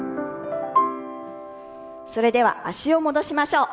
それでは脚を戻しましょう。